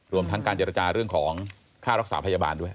รวมทั้งการเจรจาเรื่องของค่ารักษาพยาบาลด้วย